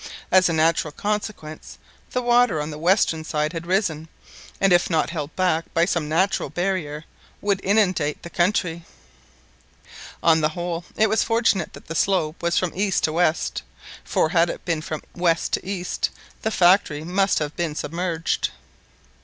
As a natural consequence, the water on the western side had risen, and if not held back by some natural barrier, would inundate the country. On the whole, it was fortunate that the slope was from east to west; for had it been from west to east, the factory must have been submerged.